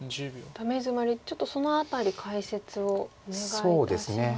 ダメヅマリちょっとその辺り解説をお願いいたします。